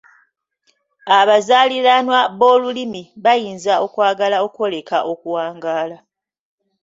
Abazaaliranwa b’olulimi bayinza okwagala okwoleka okuwangaala.